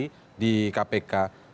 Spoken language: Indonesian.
penyadapan itu sendiri di kpk